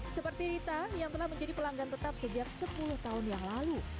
seperti rita yang telah menjadi pelanggan tetap sejak sepuluh tahun yang lalu